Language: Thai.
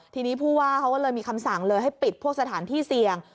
ทีนี้ผู้ว่าเขาก็เลยมีคำสั่งเลยให้ปิดพวกสถานที่เสี่ยง